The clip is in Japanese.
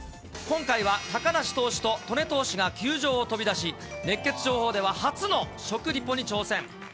今回は高梨投手と戸根投手が球場を飛び出し、熱ケツ情報では初の食リポに挑戦。